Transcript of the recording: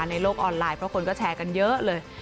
ในโลกออนไลน์เพราะคนก็แชร์กันเยอะเลย